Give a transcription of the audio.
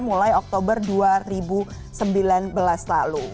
mulai oktober dua ribu sembilan belas lalu